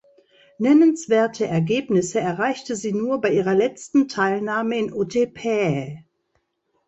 Nennenswerte Ergebnisse erreichte sie nur bei ihrer letzten Teilnahme in Otepää.